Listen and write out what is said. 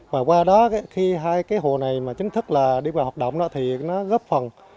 và qua đó khi hai cái hồ này mà chính thức là đi vào hoạt động đó thì nó góp phần